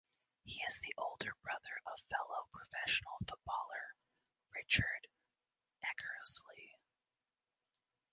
He is the older brother of fellow professional footballer Richard Eckersley.